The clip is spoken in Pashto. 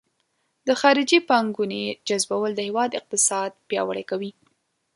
د خارجي پانګونې جذبول د هیواد اقتصاد پیاوړی کوي.